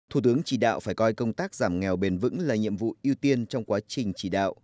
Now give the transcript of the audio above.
thủ tướng chỉ đạo phải coi công tác giảm nghèo bền vững là nhiệm vụ ưu tiên trong quá trình chỉ đạo